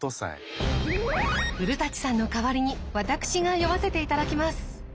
古さんの代わりに私が読ませていただきます。